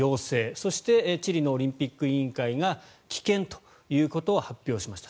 そしてチリのオリンピック委員会が棄権ということを発表しました。